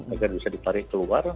agar bisa ditarik keluar